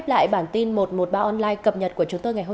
trời phổ biến không mưa ngày nắng nhiệt độ có xu hướng tăng nhẹ